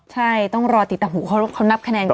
ใช่ต้องรอติดตามหูเขานับคะแนนกัน